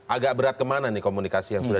agak berat kemana nih komunikasi yang sudah